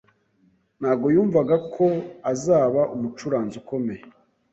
ntago yumvaga ko azaba umucuranzi ukomeye